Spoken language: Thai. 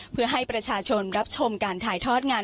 เพื่อให้ประชาชนรับชมการถ่ายทอดงาน